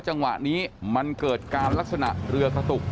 จังหวะนี้มันเกิดการลักษณะเรือกระตุก